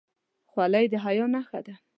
خولۍ د حیا نښه ده.